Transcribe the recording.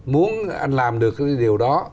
muốn anh làm được cái điều đó